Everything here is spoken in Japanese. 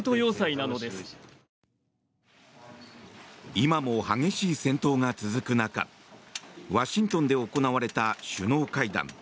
今も激しい戦闘が続く中ワシントンで行われた首脳会談。